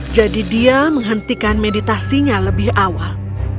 jadi dia menghentikan meditasinya lebih awal